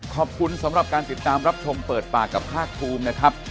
ขอบคุณสำหรับการติดตามรับชมเปิดปากกับภาคภูมินะครับ